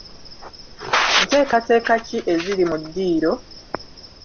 Nteekateeka ki eziri mu ddiiro?